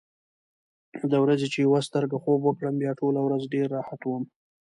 د ورځې چې یوه سترګه خوب وکړم، بیا ټوله ورځ ډېر راحت وم.